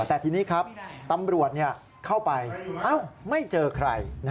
แต่ทีนี้ครับตำรวจเข้าไปไม่เจอใคร